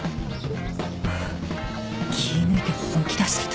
気抜いて本気出してた。